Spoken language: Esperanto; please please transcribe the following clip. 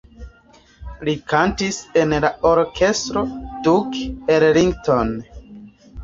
Li kantis en la Orkestro Duke Ellington.